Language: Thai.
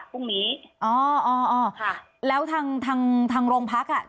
พรุ่งนี้อ๋ออ๋ออ๋อค่ะแล้วทางทางโรงพักอ่ะ